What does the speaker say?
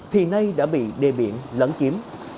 thì nay đã bị đê biển lấn chiếm